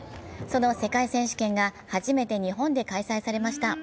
その世界選手権が初めて日本で開催されました。